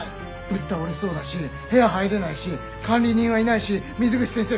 ぶっ倒れそうだし部屋入れないし管理人はいないし水口先生